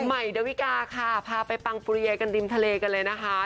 ใหม่ดาวิกาค่ะพาไปปังปุเรียนกันริมทะเลกันเลยนะคะ